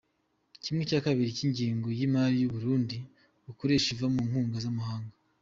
kimwe cya kabiri cy’ ingengo y’ imari u Burundi bukoresha iva mu nkunga z’ amafaranga.